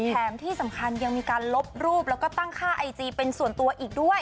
แถมที่สำคัญยังมีการลบรูปแล้วก็ตั้งค่าไอจีเป็นส่วนตัวอีกด้วย